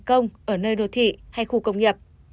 công ở nơi đô thị hay khu công nghiệp